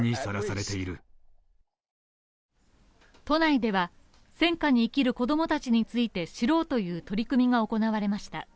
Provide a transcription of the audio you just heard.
都内では戦火に生きる子供たちについて知ろうという取り組みが行われました。